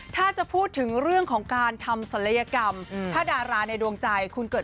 ถ้าจะพูดถึงเรื่องของการทำศัลยกรรมถ้าดาราในดวงใจคุณเกิด